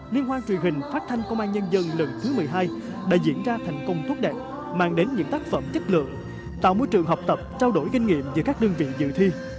liên hoan truyền hình phát thanh công an nhân dân lần thứ một mươi hai đã diễn ra thành công tốt đẹp mang đến những tác phẩm chất lượng tạo môi trường học tập trao đổi kinh nghiệm giữa các đơn vị dự thi